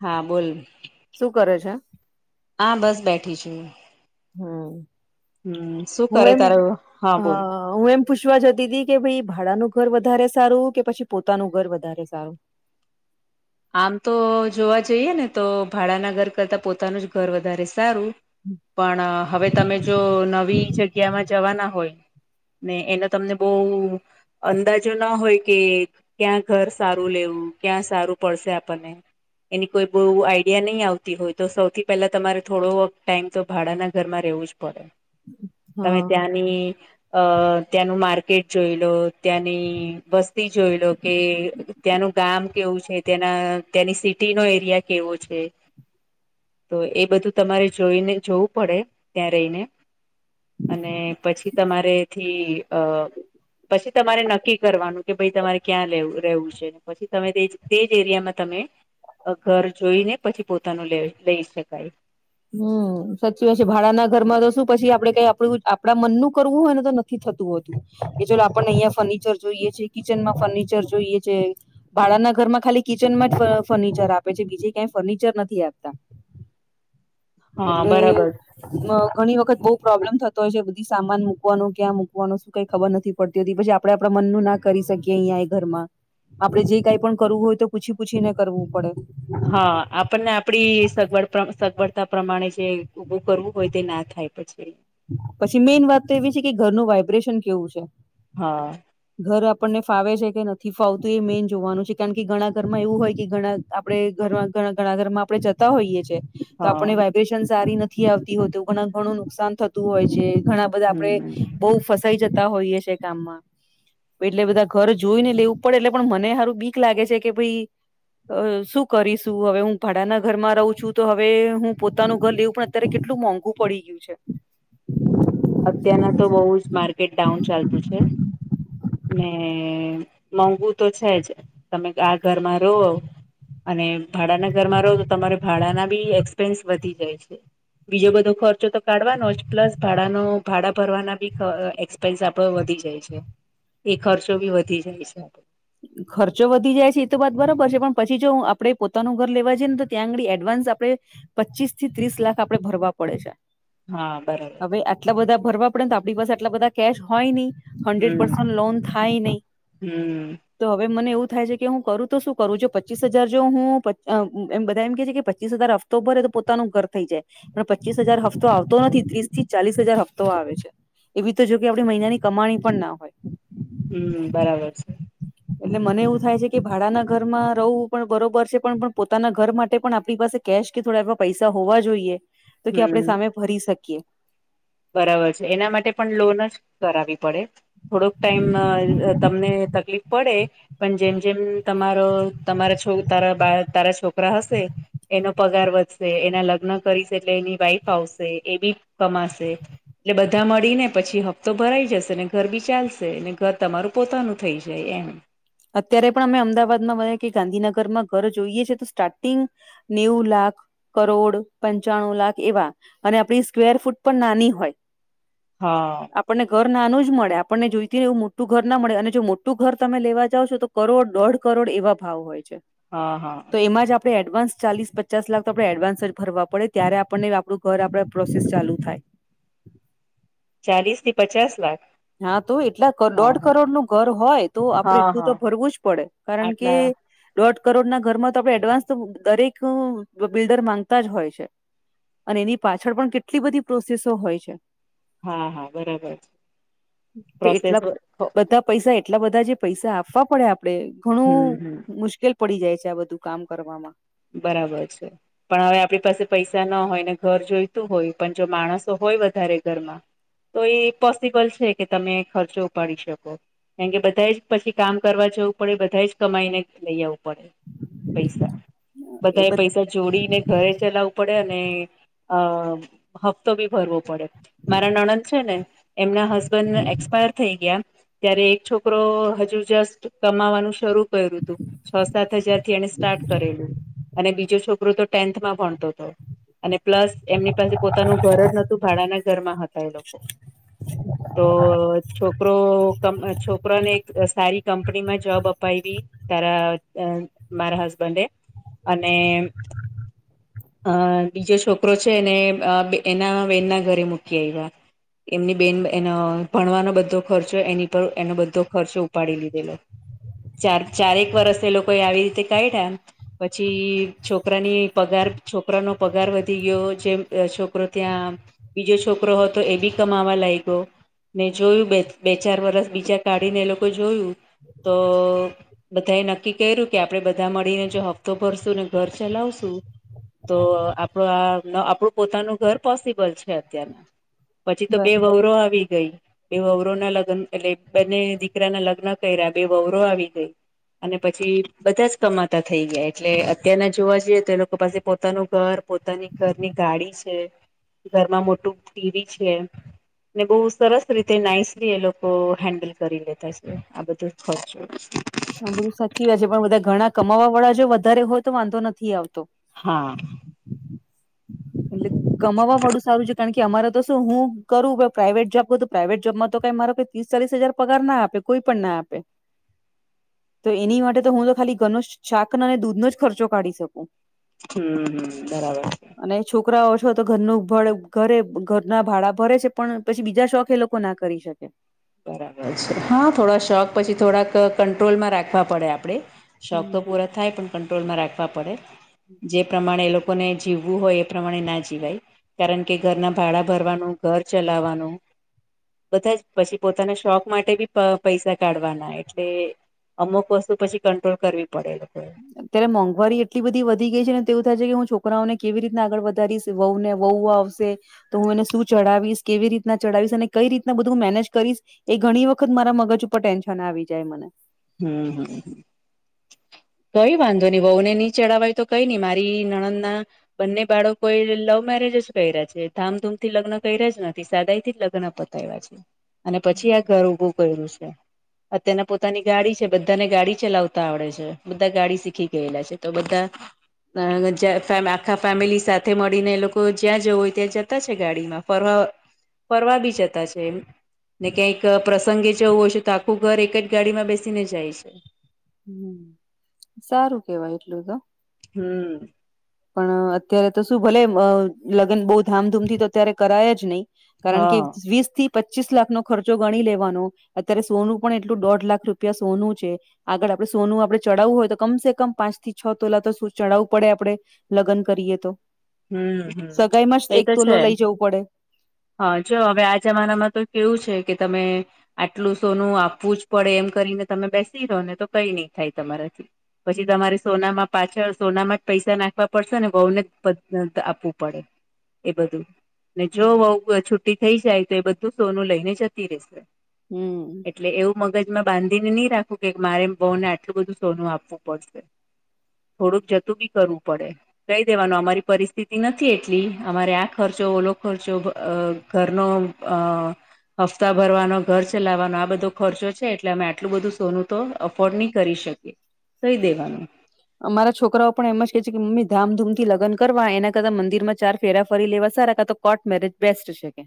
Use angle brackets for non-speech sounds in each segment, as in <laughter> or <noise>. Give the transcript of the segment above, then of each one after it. હા બોલ શું કરે છે. હા બસ બેઠી છુ, હમ્મ, હમ શું કરે તારે હા બોલ, હું એમ પૂછવા જતી હતી કે ભાઈ ભાડાનું ઘર વધારે સારું કે પછી પોતાનું ઘર વધારે સારું. આમ તો જોવા જઈએ ને તો ભાડાના ઘર કરતા પોતાનું જ ઘર વધારે સારું. પણ હવે તમે જો નવી જગ્યામાં જવાના હોય. ને એના તમને બહુ, અંદાજો ના હોય કે ક્યાં ઘર સારું લેવું ક્યાં સારું પડશે આપણને, એની કોઈ બહુ આઈડિયા નહી આવતી હોય તો સૌથી પહેલા તમારે થોડો ટાઈમ, તો ભાડાના ઘરમાં રહેેવું જ પડે હવે હા. ત્યાંની, અ ત્યાંનું માર્કેટ જોઈ લો ત્યાંની બસ્તી જોઈ લો કે, ત્યાંનું ગામ કેવું છે તેના ત્યાંની સિટીનો એરિયા કેવો છે, તો એ બધું તમારે જોઈને જોવું પડે ત્યાં રહીને, અને પછી તમારેથી અ, પછી તમારે નક્કી કરવાનું કે ભાઈ તમારે ક્યાં રહ રહેવું છે પછી તમે તે જ તે જ એરિયામાં તમે ઘર જોઈને પછી પોતાનું લ લઈ શકાય. હમ સાચી વાત છે ભાડાના ઘરમાં તો શું પી આપડે કઈ આપડું આપડા મન નું કરવું હોય ને તો, થી થતું હતું કે ચાલ આપણે અહિયાયા ફર્નિચર જોઈએ છે કિચન માં ફર્નિચર જોઈએ છે, ભાડાના ઘરમાં ખાલી કિચનમાં જ ફર્નિચર આપે છે બીજે કંઈ ફર્નિચર નથી આપતા. હા એટલે, બરાબર ઘણી વખત બઉ પ્રોબ્લેમ થતો હોય છે, બધી સામાન મૂકવાનો ક્યાં મૂકવાનું શું કઈ ખબર નથી. પડતી હતી પછી આપણેે મનનું ના કરી શકીએ અહિયાં એ ઘરમાં, આપડે જે કાઈ પણ કરવું હોય તો પૂછી પૂછી ને કરવું પડે. હા આપણને આપડી સગવડ સગવડતા પ્રમાણે જે, ઉભું કરવું હોય તે ના થાય પછી. પછી મેઈન વાત તો એવી છે કે ઘરનું વાઈબ્રેશન કેવું છે, હા, ઘર આપણને ફાવે છે કે નથી ફાવતું એ મેઈન જોવાનું છે, કારણ કે ઘણા ઘરમાં એવું હોય કે ઘણા, આપડણે ઘર ઘ ઘણા ઘરમાં આપણે જતા હોઈએ છીએ, તો હા આપણે વાઈબ્રેશન સારી નથી આવતી હોત તોવ ઘ ઘણું નુકસાન થતું હોય છે, ઘણા બધા આપડે હમ બઉ ફસાઈ જતા હોઈએ છે, કામમાં, એટલે બધા ઘર જોઈ ને લેવું પડે એટલે મને સારું બીક લાગે છે કે ભાઈ, અ શું કરીશું હવે હું ભાડાના ઘરમાં રહું છું તો હવે હું પોતાનું ઘર લેવું પણ, અત્યારે કેટલું મોંઘું પડી ગયું છે, અત્યારના તો બઉુ જ માર્કટ ડાઉન ચાલતું છે, ને મોંઘું તો છે, જ તમે આ ઘરમાં રો, અને ભાડાના ઘરમાં રહો તો તમારે ભાડાના બી એક્સપેન્સ વધી જાય છે, બીજો બધો ખર્ચા તો કાઢવાનો જ પ્લસ ભ ભાડા નો ભાડા ભરવાના બી એક્સપેન્સ આપડો વધી જાય છે, એ ખર્ચો બી વધી જાય હ છેબ ખર્ચો વધી જાય છે એ તો વાત બરોબર છે, પણ પછી જો આપડે પોતાનું ઘર લેવા છેએને તો ત્યાં આંગળી એડવાન્સ આપડે, પચીસ થી ત્રીસ લાખ આપડે ભરવા પડે છે, હા બરોબર એટલા બધા ભરવા પડે તો આપણી પાસે એટલા બધા કેશ હોય ની હંડ્રેડ પર્સેન્ટ થાય નઈ, હમ્મ, તો હવે મને એવું થાય છે, કે હું કરું તો શું કરું? જો પચીસ હજાર જો હું પચ અમ્મ એમ બધા એમ કહે છે, કે પચીસ હજાર હફ તો ભરે તો પોતાનું ઘર થઈ જાય. પણ પચીસ હજાર હફ્તો આવતો નથી. ત્રીસ થી ચાલીસ હજાર હફ્તો આવે છે. એવી તો જો કે આપણે મહિનાની કમાણી પણ ના હોય. હમ્મ બરાબર છે. એટલે મને એવું થાય છે, કે ભાડાના ઘરમાં રવ, પણ બરોબર છે. પણ-પણ પોતાના ઘર માટે પણ આપણી પાસે કેશ કે થોડા એવા પૈસા હોવા જોઈએ. તો કે આપણેે હમ સામે ભરી શકીએ. બરાબર છે. એના માટે પણ લોન જ કરાવી પડે. થોડોક ટાઈમ અહ તમને તકલીફ પડે, પણ જેમ-જેમ તમારા તમારો છો તારા બા તારા છોકરા હશે એનો પગાર વધશે. એના લગ્ન કરીશ એટલે એની વાઈફ આવશે, એ બી કમાશે. એટલે બધા મળીને પછી હફ્તો ભરાઈ જશે, ને ઘર બી ચાલશે. ને ઘર તમારું પોતાનું થઈ જાય એમ. અત્યારે પણ અમે અમદાવાદમાં <unintelligible> કે ગાંધીનગરમાં ઘર જોઈએ છે, તો સ્ટાર્ટિંગ નેવું લાખ કરોડ, પંચાણું લાખ એવા. અને આપણી સ્કવેર ફૂટ પણ નાની હોય. હા. આપણને ઘર નાનું જ મળે. આપણને જોઈતી હોય એવું મોટું ઘર ના મળે. અને જો મોટું ઘર તમે લેવા જાવ છો તો કરોડ, દોઢ કરોડ એવા ભાવ હોય છે. હા, હા. તો એમાં જ આપણે એડવાન્સ ચાલીસ, પચાસ લાખ તો આપણે એડવાન્સ જ ભરવા પડે, ત્યારે આપણને આપણું ઘર આપણા પ્રોસેસ ચાલુ થાય. ચાલીસ થી પચાસ લાખ. હા તો એટલા. ક હા દોઢ હા કરોડ નું ઘર હોય તો આપણે હા એટલું હા તો હા ભરવું જ પડે. કારણ કે આટલા દોઢ કરોડના ઘરમાં તો આપણે એડવાન્સ તો દરેક બિલ્ડર માંગતા જ હોય છે. અને એની પાછળ પણ કેટલી બધી પ્રોસેસો હોય છે. હા, હા બરબર છ. તો એટલા બધા પૈસા એટલા બધા જે પૈસા આપવા પડે આપણે ઘણ હમ્મ-હમ્મ. મુશ્કેલ પડી જાય છે, આ બધું કામ કરવામાં. બરાબર છે. પણ હવે આપણી પાસે પૈસા ન હોય, ને ઘર જોઈતું હોય, પણ જો માણસો હોય વધારે ઘરમાં તો એ પોસિબલ છે, કે તમે ખર્ચો ઉપાડી શકો. કેમ કે બધા એ જ પછી કામ કરવા જવું પડે, બધા એ જ કમાઈને લઈ આવું પડે પૈસા. બધા એ પૈસા જોડીને ઘરે ચલાવું પડે. અને અહ હફ્તો બી ભરવો પડે. મારા નણંદ છે ને, એમના હસ બન્ડ એક્સપાયર થઈ ગિયા. ત્યારે એક છોકરો હજુ જસ્ટ કમાવવાનું શરૂ કર્યું તું, છ-સાત હજાર થી એને સ્ટાર્ટ કરેલું. અને બીજો છોકરો તો ટેન્થમાં ભણતો તો. અને પ્લસ એમની પાસે પોતાનું ઘર જ નતું, ભાડાના ઘરમાં હતા એ લોકો. તો છોકરો કંપ છોકરાને એક સારી કંપ પનીમાં જોબ અપાઈવી, તારા અહ મારા હસબન્ડે. અને અહ બીજો છોકરો છે એને અહ બે એના બહેનના ઘરે મૂકી આયવાં. એમની બહેન એનો ભણવાનો બધો ખર્ચો એની ઉપર એનો બધો ખર્ચો ઉપાડી લીધેલો. ચાર ચારેક વર્ષ એ લોકોએ આવી રીતે કાઈઢા. પછી છોકરાની પગાર છોકરાનો પગાર વધી ગિયો. જેમ છોકરો ત્યાં બીજો છોકરો હતો એ બી કમાવા લાયગો. ને જોયું બે બે ચાર વરસ બીજા કાઢીને એ લોકો જોયું. તો બધા એ નક્કી કર્યું કે આપડે બધા મળીને જો હ તો ભરશું ને ઘર ચલાવશું તો આપડું આ આપડુ પોતાનું ઘર પોસિબલ છે અત્યારે પછી તો બ- બે વવરો આવી ગઈ. બે વવરો ના લગ્ન એટલે બંને દીકરા ના લગ્ન કર્યા બે વવરો આવી ગઈ. અને પછી બધા જ કમાતા થઈ ગયા એટલે અત્યારના જોવા જઈએ તો એ લોકો પાસે પોતાનું ઘર પોતાની ઘરની ગાડી છે ઘરમાં મોટું ટીવી છે. ને બહુ સરસ રીતે નાઈસલી એ લોકો હેન્ડલ કરી લેતા છે આ બધું ખર્ચ <inaudible> આબરું સા સી વે છે પણ બધા ઘણા કમાવા વાળા જો વધારે હોય તો વાંધો નથી આવતો. હમ એટલે કમાવા વાડુ સારું છે કારણ કે કે અમારે તો શું હું કરું પ્રાઇવેટ જોબ કરું તો પ્રાઇવેટ જોબમાં તો કઈ મારા પીસ્તાલીસ હજાર પગાર ના આપે કોઈ પણ ના આપે તો એની માટે તો હું તો ખાલી ઘરનો શાકનો અને દૂધનો જ ખર્ચો કાઢી શકું. હમ હમ બરાબર અને છોકરાઓ છો તો ઘરનું ભળ ઘરે ઘરના ભાડા ભરે છે પણ પછી બીજા શોખ એ લો કો ના કરી શકે બરાબર છે હા થોડા શોખ પછી થોડાક કંટ્રોલમાં રાખવા પડે આપડે શોખ તો પૂરા થાય પણ કંટ્રોલમાં રાખવા પડે. જે પ્રમાણે એ લો કોને જીવવું હોય એ પ્રમાણે ના જીવાય કારણ કે ઘરના ભાડા ભરવાનું ઘર ચલાવાનું બધા જ પછી પોતાના શોખ માટે બી પ પૈસા કાઢવાના એટલે અમુક વસ્તુ પછી કંટ્રોલ કરવી પડે એ લોકો એ અત્યારે મોંઘવારી એટલી બધી વધી ગઈ છે ને, તેવું થાય છે કે હું છોકરાઓને કેવી રીના આગળ વધારીશ? વવ ને વઉ આવશે તો હું એને શું ચડાવીશ કેવી રીતના ચઢાવીશ અને કઈ રીતના બધું મેનેજ કરીશ એ ઘણી વખત મારા મગજ ઉપર ટેન્શન આવી જાય મને હમ હમ કઈ વાંધો ની વઉ ને ની ચડાવાય તો કઈ ની. મારી નણંદ ના બંને બાળકો એ લવ મેરેજ જ કરયા છે. ધામધૂમ થી લગ્ન કરયા જ નથી સાદાય થી જ લગ્ન <inaudible> અને પછી આ ઘર ઉભું કર્યું છે. અત્યાના પોતાની ગાડી છે. બધા ને ગાડી ચલાવતા આવડે છે. બધા ગાડી શીખી ગયેલા છે તો બધા <unintelligible> આખા ફેમિલી સાથે મળીને એ લોકો જ્યાં જવું હોય ત્યાં જતા છે ગાડીમાં ફરવા ફરવા બી જતા છે એમ ને ક્યાંક પ્રસંગે જવું હોશે તો આખું ઘર એક જ ગાડીમાં બેસીને જાય છે. હમ સારું કેવાય એટલું તો હમ પણ અત્યારે તો શું ભલે અ લગ્ન બહુ ધામધૂમથી તો અત્યારે કરાય જ નઈ કારણ કે હા વીસ થી પચીસ લાખનો ખર્ચો ગણી લેવાનો. અત્યારે સોનું પણ એટલું દોઢ લાખ રૂપિયા સોનું છે. આગળ આપડે સોનું આપડે ચડાવવું હોય તો કમ સે કમ પાંચ થી છ તોલા તો ચડાવવું પડે આપડે લગ્ન કરીએ તો. હમ હમ સગાઈમાં જ એ એક તો છે તોલો લઈ જવું પડે. હા જો હવે આ જમાનામાં તો કેવું છે કે તમે. આટલું સોનું આપવું જ પડે. એમ કરીને તમે બેસી રો ને તો કઈ નહી થાય તમારાથી. પછી તમારે સોનામાં પાછળ સોનામાં જ પૈસા નાખવા પડશે ને વહુ ને જ પ <unintelligible> આપવું પડે એ બધું. ને જો વહુવ વ છુટી થઇ જાય તો એ બધું સોનું લઈને જતી રહેશે. હમ્મ. એટલે એવું મગજમાં બાંધીને નહીં રાખવું કે મારે વહુને આટલું બધું સોનું આપવું પડશે. થોડુંક જતું બી કરવું પડે. કહી દેવાનું અમારી પરિસ્થિત નથી એટલી, અમારે આ ખર્ચો, ઓલો ખર્ચો, અહ ઘરનો અહ હપ્તા ભરવાનો, ઘર ચલાવવાનો આ બધો ખર્ચો છે એટલે અમે આટલું બધું સોનું તો અફ એ ફોર્ડ નહીં કરી શકીએ, કહી દેવાનું. અમારા છોકરાઓ પણ એમ જ કે છે કે મમ્મી ધામધૂમથી લગ્ન કરવા એના કરતા મંદિરમાં ચાર ફેરા ફરી લેવા સારા. કા તો કોર્ટ મેરેજ બેસ્ટ છે કે.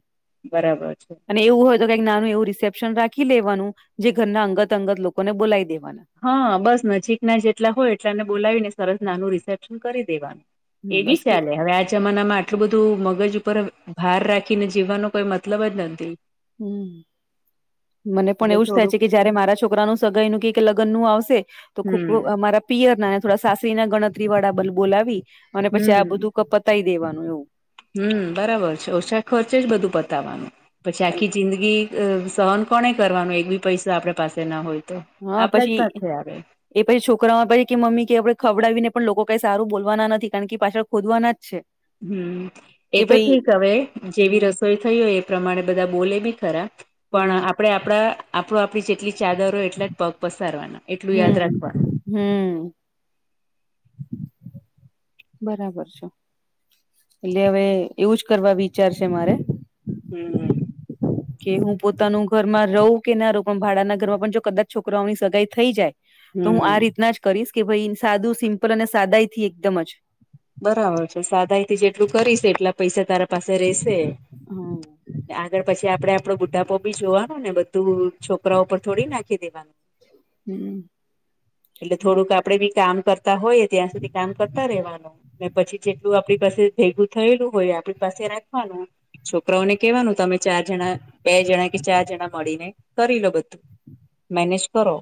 બરાબર છે. અને એવું હોય તો કંઈક નાનું એવું રિસેપ્શન રાખી લેવાનું, જે ઘરના અંગત-અંગત લોકોને બોલાઈ દેવાનું. હા. બસ નજીકના જેટલા હોય એટલા એને બોલાવીને સરસ નાનું રિસેપ્શન કરી દેવાનું. એ હમ બી બસ કે ચાલે. હવે આજ જમાનામાં આટલું બધું મગજ ઉપર ભાર રાખીને જીવવાનો કોઈ મતલબ જ નથી. હમ્મ. મને પણ એટલે એવું જ થાય છે થોડુંક કે જયારે મારા છોકરાનું સગાઈ નું કેક લગનનું આવશે તો ખૂબ હમ મારા પિયરના ને થોડા સાસરી ના ગણતરી વાળા બલ બોલાવી અને પછી આ બધું ક પતાવી દેવાનું એવું. હમ્મ બરાબર છે. ઓછા ખર્ચે જ બધું પતાવવાનું. પછી કારણ આખી જિંદગી અહ સહન કોને કરવાનું એક બી પૈસા આપડા પાસે ના હોય. તો હ આપડા જ પછી પાસે આવે એ પછી છોકરાઓ પહી કહે મમ્મી કહે આપણે ખવડાવીને પણ લોકો કાંઈ સારું બોલવાના નથી, કારણ કે ઈ પાછળ ખોદવવાના જ છે. હમ્મ. એ કે તો ભાઈ ઠીક હવે. જેવી હમ રસોઈ થઈ હોય એ પ્રમાણે બધા બોલે બી ખરા. પણ હમ આપ પણે આપણા, આપણું આપણી જેટલી ચાદર હોય એટલા જ પગ પસારવાના. એટલું યાદ રાખવાનું હમ્મ-હમ્મ. બરાબર છે. એટલે હવે એવું જ કરવા વિચાર છે મારે. હમ્મ-હમ્મ. કે હું પોતાનું ઘરમાં રહું કે ના રહું પણ ભાડાના ઘરમાં પણ જો કદાચ છોકરાઓની સગાઈ થઈ જાય તો હું હમ આ રીતના જ કરીશ કે ભઈ સાદું, સિમ્પલ અને સાદાઈ થી એકદમ જ. બરાબર છે. સાદાઈ થી જેટલું કરીશ એટલા પૈસા તારા પાસે રહેશે. હમ કે આગળ પછી આપડે આપડો બુઢાપો બી જોવાનો ને બધું છોકરાઓ પર થોડી નાખી દેવાનું. <inaudible> એટલે થોડુંક આપડે બી કામ કરતા હોઈએ ત્યાં સુધી કામ કરતા રહેવાનું. ને પછી જેટલું આપણી પાસે ભેગું થયેલું હોય આપણી પાસે રાખવાનું. છોકરાઓને કહેવાનું તમે ચાર જણા બે જણા કે ચાર જણા મળીને કરી લો બધું. મેનેજ કરો.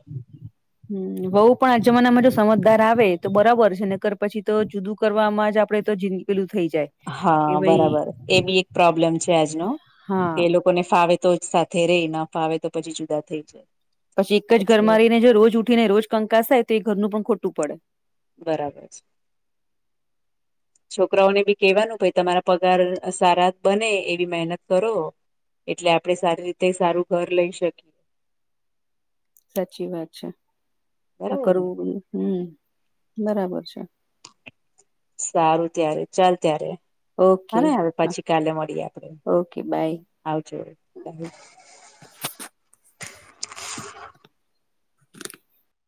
હમ્મ. વહુ પણ આ જમાનામાં જો સમજદાર આવે તો બરાબર છે, નકર પછી તો જુદું કરવામાં જ આપડે તો જીંદ પેલું થઈ જાય. હા કે ભાઈ બરાબર. એ બી એક પ્રોબ્લેમ છે આજનો. હા કે લોક કોને ફાવે તો સાથે રેય ન ફાવે તો પછી જુદા થઈ જાય. પછી એક જ એટલે ઘરમાં રહીને જો રોજ ઉઠી ને રોજ કંકાસ થાય તો એ ઘરનું પણ ખોટું પડે. બરાબર છે. <inaudible> છોકરાઓને ભી કહેવાનું ભઈ તમારા પગાર સારા બને એવી મહેનત કરો. એટલે આપડે સારી રીતે સારું ઘર લઈ શકી <inaudible> સાચી વાત છે આ બરાબર ને કરવું બધું હમ બરાબર છે. સારું ત્યારે ચાલ ત્યારે. ઓકે હને હવે હા પછી કાલે મળીએ આપડે ઓકે બાય આવજો <unintelligible>